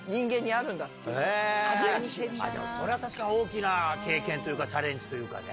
それは確かに大きな経験というかチャレンジというかね。